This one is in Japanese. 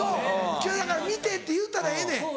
今日だから見てって言うたらええねん。